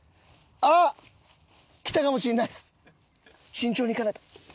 慎重にいかないと。